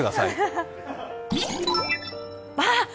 あっ！